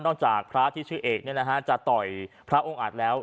จากพระที่ชื่อเอกจะต่อยพระองค์อาจแล้ว